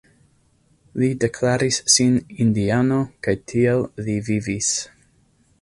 Li deklaris sin indiano kaj tiel li vivis.